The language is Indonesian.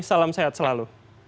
salam sehat selalu